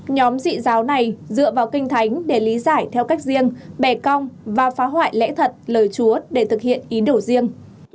nhóm dị giáo này dựa vào kinh thánh để lý giải theo cách riêng bè cong và phá hoại lẽ thật lời chúa để thực hiện ý đổ riêng